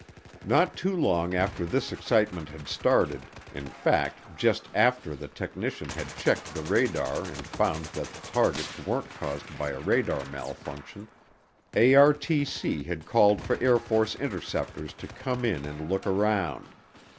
Not too long after this excitement had started, in fact just after the technician had checked the radar and found that the targets weren't caused by a radar malfunction, ARTC had called for Air Force interceptors to come in and look around.